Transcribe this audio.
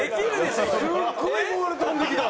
すごいボール飛んできた！